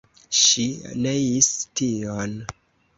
Ŝi neis tion.